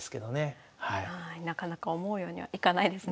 なかなか思うようにはいかないですね。